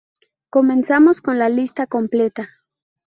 Comenzamos con la lista completa.